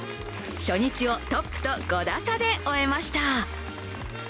初日をトップと５打差で終えました